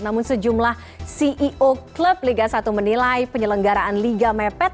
namun sejumlah ceo klub liga satu menilai penyelenggaraan liga mepet